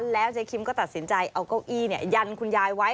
แล้วเจ๊คิมก็ตัดสินใจเอาเก้าอี้ยันคุณยายไว้